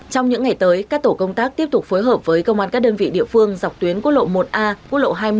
trong những ngày tới các tổ công tác tiếp tục phối hợp với công an các đơn vị địa phương dọc tuyến quốc lộ một a quốc lộ hai mươi